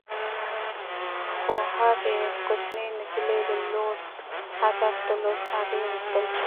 خو هغې کوچنۍ نجلۍ لا لوړ هدف درلود - هغې غوښتل.